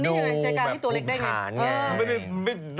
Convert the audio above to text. โอลี่คัมรี่ยากที่ใครจะตามทันโอลี่คัมรี่ยากที่ใครจะตามทัน